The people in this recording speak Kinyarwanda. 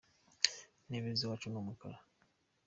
Intebe ziwacu numukara.